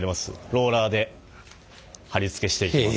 ローラーで貼り付けしていきます。